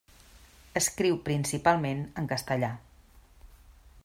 Escriu principalment en castellà.